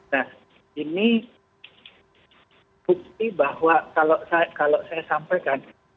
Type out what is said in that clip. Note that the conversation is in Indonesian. nah ini bukti bahwa kalau saya sampaikan